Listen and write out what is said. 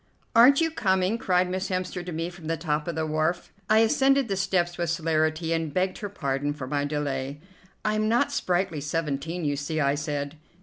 "Aren't you coming?" cried Miss Hemster to me from the top of the wharf. I ascended the steps with celerity and begged her pardon for my delay. "I am not sprightly seventeen, you see," I said.